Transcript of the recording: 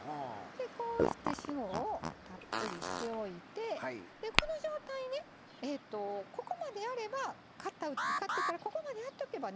こうして塩をたっぷりしておいてこの状態でここまでやれば買ってからここまでやっておけばね